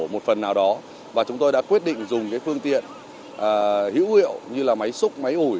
một phần nào đó và chúng tôi đã quyết định dùng cái phương tiện hữu hiệu như là máy xúc máy ủi